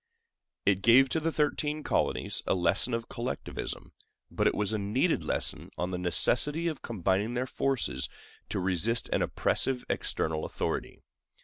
It gave to the thirteen colonies a lesson in collectivism, but it was a needed lesson on the necessity of combining their forces to resist an oppressive external authority.